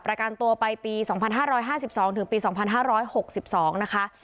ประกันตัวไปปีสองพันห้าร้อยห้าสิบสองถึงปีสองพันห้าร้อยหกสิบสองนะคะ